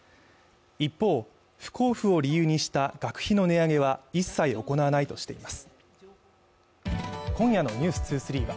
一方、不交付を理由にした学費の値上げは一切行わないとしています。